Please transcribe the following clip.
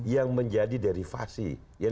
yang menjadi derivasi